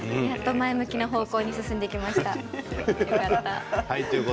前向きな方向で進んでいきました。